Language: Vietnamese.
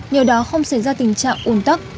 nhờ đó không xảy ra tình trạng uốn tắc